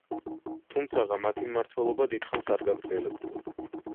თუმცაღა მათი მმართველობა დიდხანს არ გაგრძელებულა.